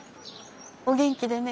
お元気でね。